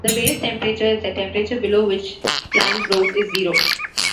The base temperature is that temperature below which plant growth is zero.